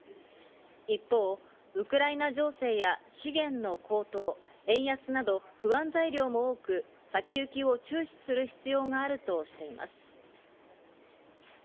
一方、ウクライナ情勢や資源の高騰、円安など不安材料も多く、先行きを注視する必要があるとしています。